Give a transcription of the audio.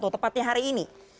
tepatnya hari ini